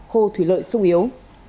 hồ thủy lợi sung yếu